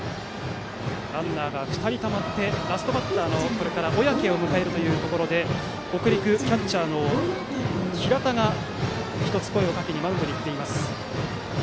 ランナーが２人たまってラストバッターの小宅のところで北陸のキャッチャーの平田が声をかけにマウンドに行きました。